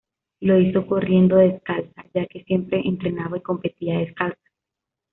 Lo hizo corriendo descalza, ya que siempre entrenaba y competía descalza.